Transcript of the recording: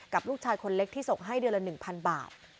ลูกชายคนเล็กที่ส่งให้เดือนละ๑๐๐บาท